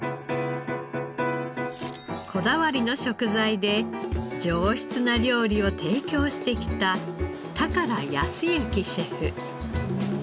こだわりの食材で上質な料理を提供してきた良康之シェフ。